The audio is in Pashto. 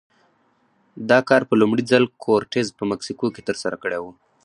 دا کار په لومړي ځل کورټز په مکسیکو کې ترسره کړی و.